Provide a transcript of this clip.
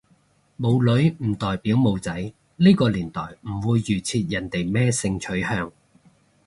冇女唔代表冇仔，呢個年代唔會預設人哋咩性取向